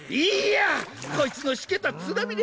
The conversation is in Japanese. いいやこいつのしけたツラ